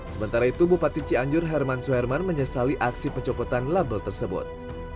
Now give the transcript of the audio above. sementara itu bupati cianjur herman suherman menyesali aksi pencopotan label tersebut